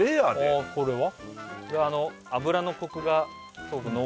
ああこれは？